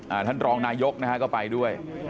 ท่านรองนายกนะฮะก็ไปด้วย